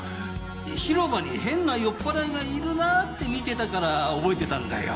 広場に変な酔っぱらいがいるなぁって見てたから覚えてたんだよ。